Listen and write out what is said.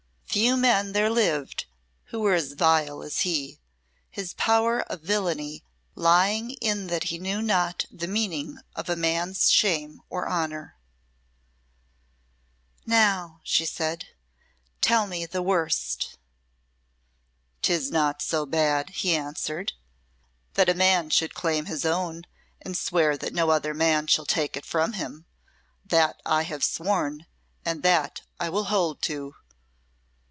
Few men there lived who were as vile as he, his power of villainy lying in that he knew not the meaning of man's shame or honour. "Now," she said, "tell me the worst." "'Tis not so bad," he answered, "that a man should claim his own, and swear that no other man shall take it from him. That I have sworn, and that I will hold to."